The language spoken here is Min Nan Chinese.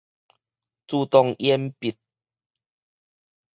自動鉛筆